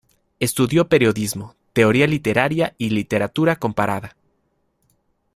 Estudió periodismo, teoría Literaria y literatura comparada.